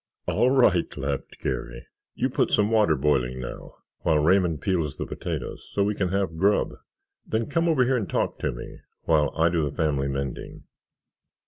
"All right," laughed Garry. "You put some water boiling now, while Raymond peels the potatoes, so we can have grub. Then come over here and talk to me while I do the family mending."